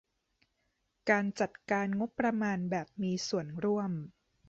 การจัดการงบประมาณแบบมีส่วนร่วม